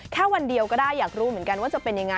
วันเดียวก็ได้อยากรู้เหมือนกันว่าจะเป็นยังไง